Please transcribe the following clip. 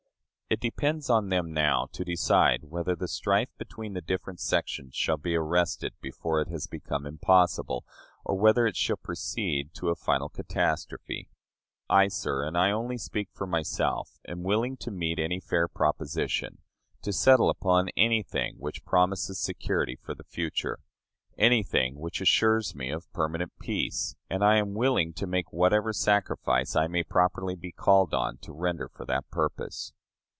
It depends on them now to decide whether the strife between the different sections shall be arrested before it has become impossible, or whether it shall proceed to a final catastrophe. I, sir and I only speak for myself am willing to meet any fair proposition to settle upon anything which promises security for the future; anything which assures me of permanent peace, and I am willing to make whatever sacrifice I may properly be called on to render for that purpose.